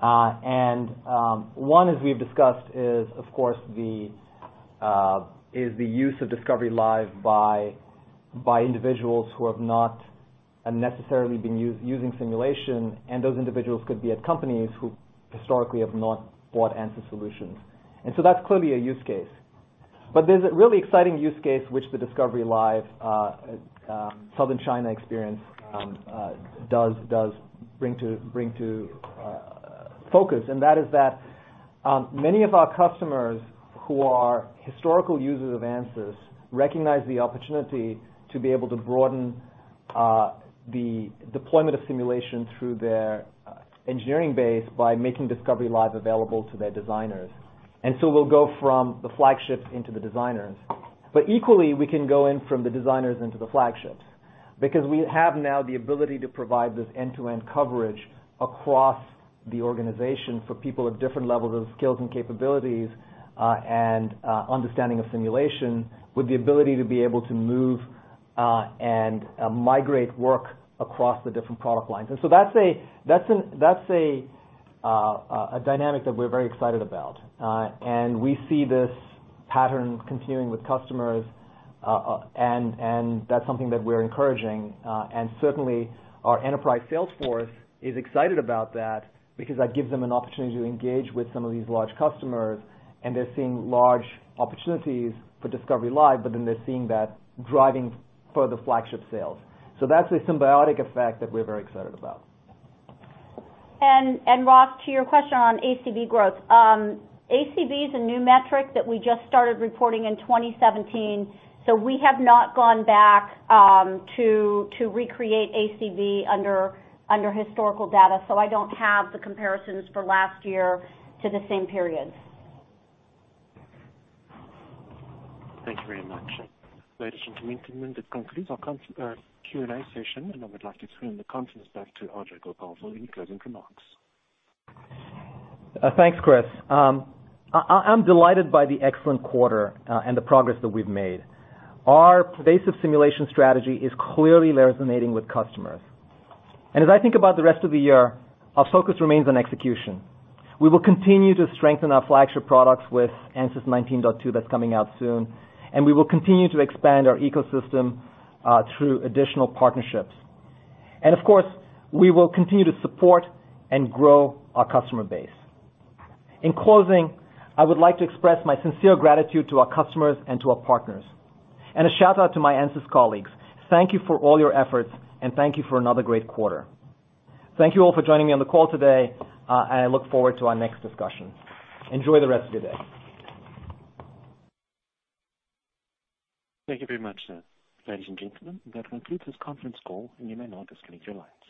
One, as we've discussed is, of course, is the use of Discovery Live by individuals who have not necessarily been using simulation, and those individuals could be at companies who historically have not bought ANSYS solutions. That's clearly a use case. There's a really exciting use case which the Discovery Live Southern China experience does bring to focus, that is that many of our customers who are historical users of ANSYS recognize the opportunity to be able to broaden the deployment of simulation through their engineering base by making Discovery Live available to their designers. We'll go from the flagships into the designers. Equally, we can go in from the designers into the flagships, because we have now the ability to provide this end-to-end coverage across the organization for people of different levels of skills and capabilities, and understanding of simulation with the ability to be able to move, and migrate work across the different product lines. That's a dynamic that we're very excited about. We see this pattern continuing with customers, that's something that we're encouraging. Certainly, our enterprise sales force is excited about that because that gives them an opportunity to engage with some of these large customers, they're seeing large opportunities for Discovery Live, they're seeing that driving further flagship sales. That's a symbiotic effect that we're very excited about. Ross, to your question on ACV growth. ACV is a new metric that we just started reporting in 2017. We have not gone back to recreate ACV under historical data, I don't have the comparisons for last year to the same period. Thank you very much. Ladies and gentlemen, that concludes our Q&A session, I would like to turn the conference back to Ajei Gopal for any closing remarks. Thanks, Chris. I'm delighted by the excellent quarter, and the progress that we've made. Our pervasive simulation strategy is clearly resonating with customers. As I think about the rest of the year, our focus remains on execution. We will continue to strengthen our flagship products with ANSYS 19.2 that's coming out soon, and we will continue to expand our ecosystem through additional partnerships. Of course, we will continue to support and grow our customer base. In closing, I would like to express my sincere gratitude to our customers and to our partners. A shout-out to my ANSYS colleagues, thank you for all your efforts, and thank you for another great quarter. Thank you all for joining me on the call today, and I look forward to our next discussion. Enjoy the rest of your day. Thank you very much, sir. Ladies and gentlemen, that concludes this conference call, and you may now disconnect your lines.